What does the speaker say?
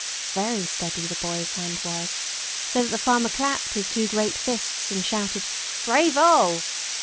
Very steady the boy's hand was, so that the farmer clapped his two great fists, and shouted "Bray vo!"